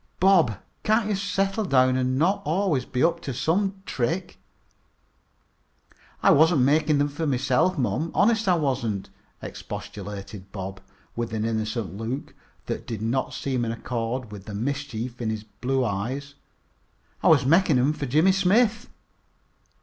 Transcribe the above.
Bob, can't you settle down and not be always up to some trick?" "I wasn't making these for myself, mom, honest I wasn't," expostulated Bob, with an innocent look that did not seem in accord with the mischief in his blue eyes. "I was making 'em for Jimmy Smith."